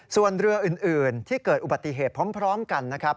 ส่วนเรืออื่นที่เกิดอุบัติเหตุพร้อมกันนะครับ